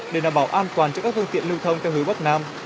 để đảm bảo an toàn cho các phương tiện lưu thông theo hướng bắc nam